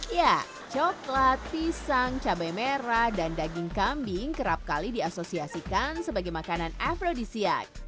ya coklat pisang cabai merah dan daging kambing kerap kali diasosiasikan sebagai makanan afrodisiak